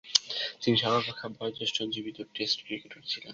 তিনি সর্বাপেক্ষা বয়োঃজ্যেষ্ঠ জীবিত টেস্ট ক্রিকেটার ছিলেন।